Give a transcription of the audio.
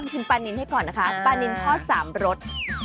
กินปลานินให้ก่อนนะคะปลานินทอด๓รส